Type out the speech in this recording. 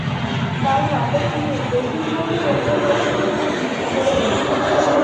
তাঁর নাটকগুলির বেশির ভাগই অন্যের রচনার উপর ভিত্তি করে লেখা।